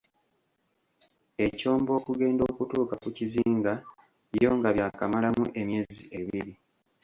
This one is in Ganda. Ekyombo okugenda okutuuka ku kizinga byo nga byakamalamu emyezi ebiri.